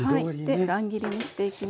で乱切りにしていきます。